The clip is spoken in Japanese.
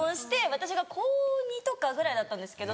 私が高２とかぐらいだったんですけど。